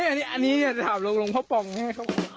อันนี้ราคาเท่าไร